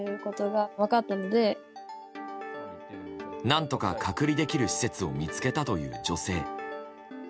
何とか隔離できる施設を見つけたという女性。